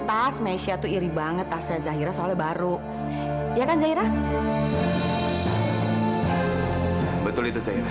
tas mesya tuh iri banget tasnya zahira soalnya baru ya kan zairah betul itu zaina